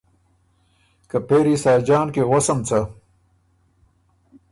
که پېری ساجان کی غؤسم څۀ؟